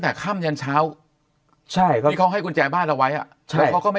แต่ค่ำยันเช้าใช่ก็เขาให้กุญแจบ้านเราไว้อ่ะใช่ก็ไม่